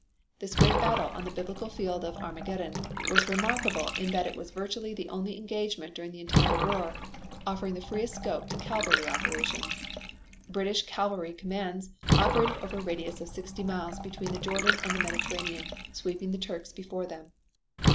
This great battle on the Biblical field of Armageddon was remarkable in that it was virtually the only engagement during the entire war offering the freest scope to cavalry operations. British cavalry commands operated over a radius of sixty miles between the Jordan and the Mediterranean, sweeping the Turks before them.